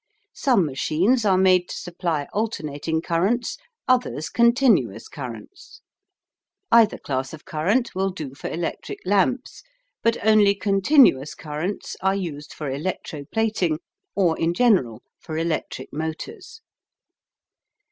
Some machines are made to supply alternating currents, others continuous currents. Either class of current will do for electric lamps, but only continuous currents are used for electo plating, or, in general, for electric motors.